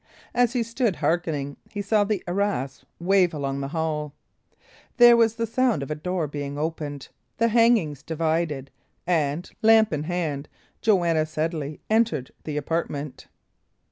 As he stood hearkening, he saw the arras wave along the wall; there was the sound of a door being opened, the hangings divided, and, lamp in hand, Joanna Sedley entered the apartment.